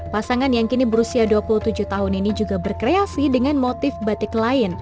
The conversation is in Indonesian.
pasangan yang kini berusia dua puluh tujuh tahun ini juga berkreasi dengan motif batik lain